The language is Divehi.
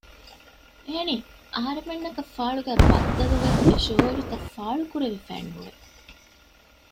އެހެނީ އަހަރުމެންނަކަށް ފާޅުގައި ބައްދަލުވެ އެ ޝުއޫރު ފާޅު ކުރެވިފައެއް ނުވެ